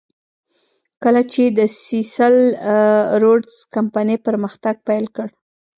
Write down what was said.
کله چې د سیسل روډز کمپنۍ پرمختګ پیل کړ.